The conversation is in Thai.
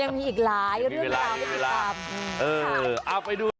ยังมีอีกหลายยังมีเวลาให้กลับเอาไปดู